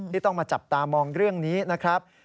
ที่ต้องมาจับตามองเรื่องนี้นะครับ